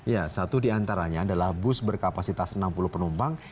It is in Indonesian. ya satu diantaranya adalah bus berkapasitas enam puluh penumpang